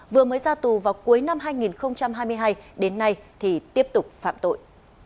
vừa mới ra tù vào cuối năm hai nghìn hai mươi hai đến nay thì tiếp tục phạm tội